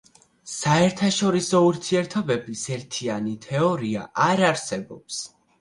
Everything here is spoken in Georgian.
საერთაშორისო ურთიერთობების ერთიანი თეორია არ არსებობს.